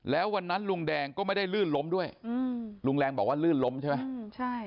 แล้ววันนั้นลุงแดงก็ไม่ได้ลื่นล้มด้วยอืมลุงแรงบอกว่าลื่นล้มใช่ไหมใช่